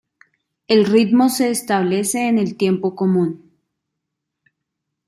El ritmo se establece en el tiempo común.